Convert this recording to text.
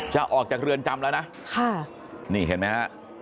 จะออกจากเรือนจำแล้วนะค่ะนี่เห็นไหมฮะ